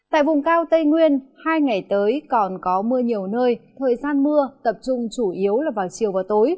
tại vùng cao tây nguyên hai ngày tới còn có mưa nhiều nơi thời gian mưa tập trung chủ yếu là vào chiều và tối